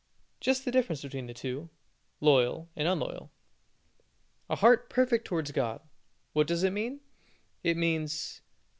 Just the difference between the two loyal and unloyal. A heart perfect towards God! What does it mean? It means 2.